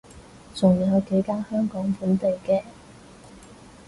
仲有幾間香港本地嘅